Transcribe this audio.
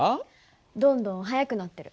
どんどん速くなってる。